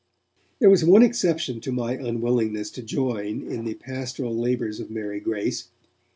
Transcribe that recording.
There was one exception to my unwillingness to join in the pastoral labours of Mary Grace.